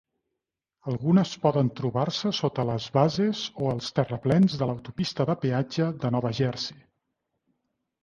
Algunes poden trobar-se sota les bases o els terraplens de l'autopista de peatge de Nova Jersey.